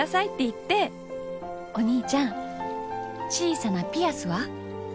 お兄ちゃん小さなピアスは？